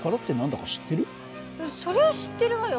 そりゃ知ってるわよ。